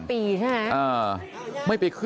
สัก๒ปีใช่ไหม